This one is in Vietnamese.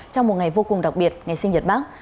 trong một ngày vô cùng đặc biệt ngày sinh nhật bác